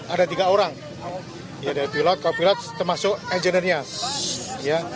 ada tiga orang dari pilot ke pilot termasuk engineer nya